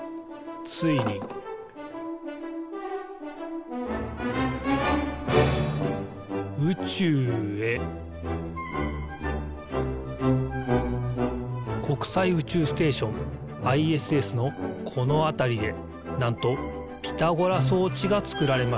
ついに宇宙へ国際宇宙ステーションＩＳＳのこのあたりでなんとピタゴラそうちがつくられました。